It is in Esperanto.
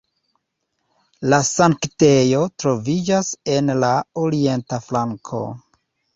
La sanktejo troviĝas en la orienta flanko.